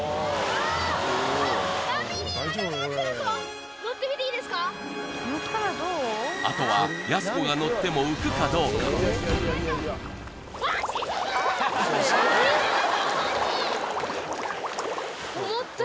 あっあとはやす子が乗っても浮くかどうか沈むぞ！